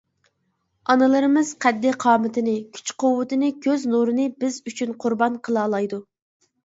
ئانىلىرىمىز قەددى-قامىتىنى، كۈچ-قۇۋۋىتىنى، كۆز نۇرىنى بىز ئۈچۈن قۇربان قىلالايدۇ.